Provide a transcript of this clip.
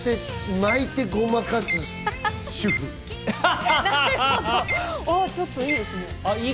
なるほど、ちょっといいですね。